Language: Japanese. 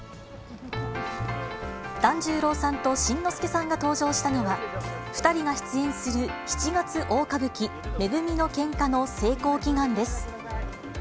團十郎さんと新之助さんが登場したのは、２人が出演する七月大歌舞伎め組の喧嘩の成功祈願です。